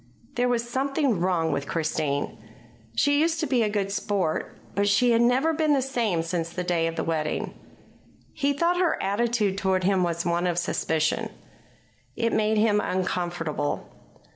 There was something wrong with Christine. She used to be a good sport, but she had never been the same since the day of the wedding. He thought her attitude toward him was one of suspicion. It made him uncomfortable.